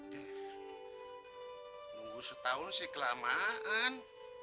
tunggu setahun sih kelamaan